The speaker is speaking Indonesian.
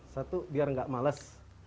satu biar gak males